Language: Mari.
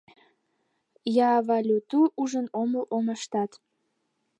Я валюту ужын омыл омыштат.